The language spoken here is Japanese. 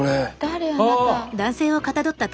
誰あなた？